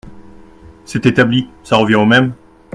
C’est établi, ça revient au même.